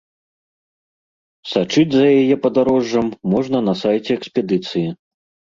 Сачыць за яе падарожжам можна на сайце экспедыцыі.